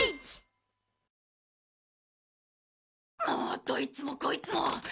もうどいつもこいつも！